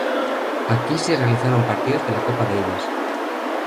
Aquí se realizaron partidos de la copa Davis.